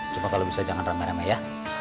cuma kalau bisa jangan rame rame ya